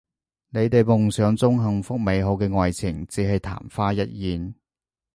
你哋夢想中幸福美好嘅愛情只係曇花一現